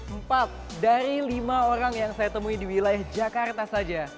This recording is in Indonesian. empat dari lima orang yang saya temui di wilayah jakarta saja